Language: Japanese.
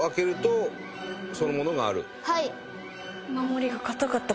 はい。